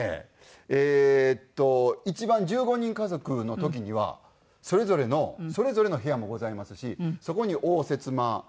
えーっと一番１５人家族の時にはそれぞれのそれぞれの部屋もございますしそこに応接間お座敷。